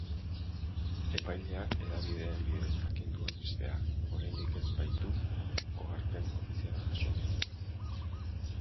Epaileak hedabideen bidez jakin du albistea, oraindik ez baitu oharpen ofiziala jaso.